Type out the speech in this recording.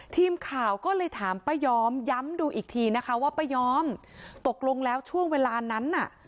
ทีมข่าวก็เลยถามป้ายอมย้ำดูอีกทีนะคะว่าป้ายอมตกลงแล้วช่วงเวลานั้นน่ะ